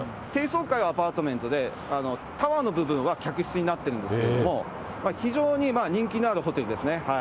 低層階はアパートメントで、タワーの部分は客室になってるんですけれども、非常に人気のあるホテルですね。